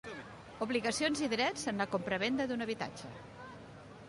Obligacions i drets en la compravenda d'un habitatge.